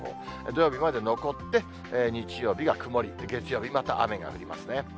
土曜日まで残って、日曜日が曇り、月曜日また雨が降りますね。